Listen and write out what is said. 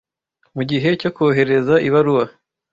mugihe cyo kohereza ibaruwa